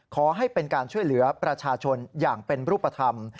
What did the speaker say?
ขอให้เป็นการช่วยเหลือประชาชนอย่างเป็นรูปธรรม